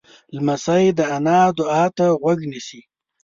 لمسی د نیا دعا ته غوږ نیسي.